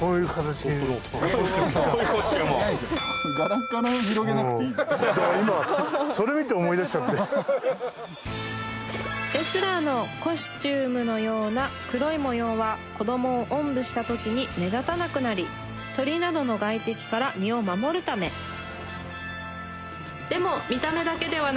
だから今それ見て思い出しちゃってレスラーのコスチュームのような黒い模様は子どもをおんぶした時に目立たなくなり鳥などの外敵から身を守るためさあ